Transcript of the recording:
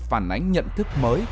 phản ánh nhận thức mọi người